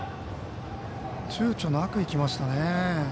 ちゅうちょなく行きましたね。